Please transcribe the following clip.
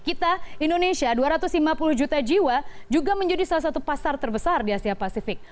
kita indonesia dua ratus lima puluh juta jiwa juga menjadi salah satu pasar terbesar di asia pasifik